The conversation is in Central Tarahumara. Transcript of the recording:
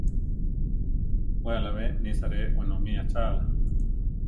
We alábe nisa re wenómi achála.